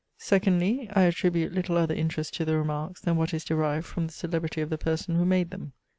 Secondly, I attribute little other interest to the remarks than what is derived from the celebrity of the person who made them.